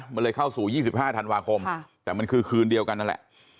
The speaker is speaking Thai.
มันเลยเข้าสู่๒๕ธันวาคมแต่มันคือคืนเดียวกันนั่นแหละ